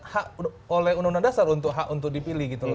hak oleh undang undang dasar untuk hak untuk dipilih